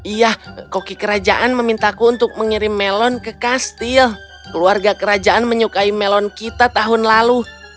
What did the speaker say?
iya koki kerajaan memintaku untuk mengirim melon ke kastil keluarga kerajaan menyukai melon kita tahun lalu